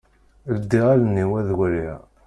Ldiɣ allen-iw ad waliɣ.